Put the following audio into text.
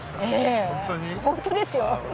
本当ですよ。